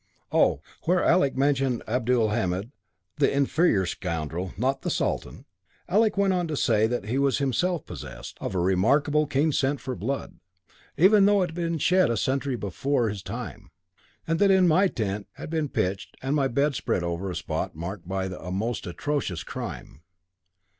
Oh! where Alec mentioned Abdulhamid, the inferior scoundrel, not the Sultan. Alec went on to say that he was himself possessed of a remarkably keen scent for blood, even though it had been shed a century before his time, and that my tent had been pitched and my bed spread over a spot marked by a most atrocious crime.